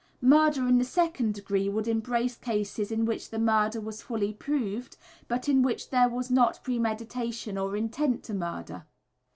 "Murder in the second degree" would embrace cases in which the murder was fully proved but in which there was not premeditation or intent to murder.